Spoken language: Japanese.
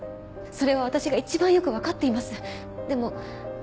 それは私が一番よく分かっていますでも。